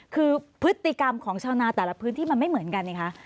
คือพฤติกรรมของชาวนาแต่ละพื้นที่มันไม่เหมือนกันไงคะ